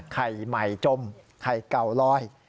ไข่ใหม่จมไข่เก่าลอย